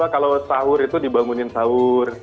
kalau sahur itu dibangunin sahur